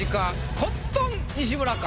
コットン西村か？